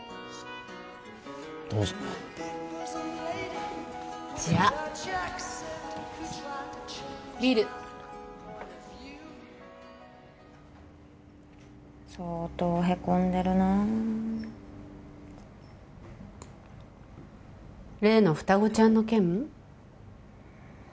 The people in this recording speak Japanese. どうぞじゃあビール相当ヘコんでるな例の双子ちゃんの件？